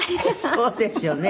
「そうですよね。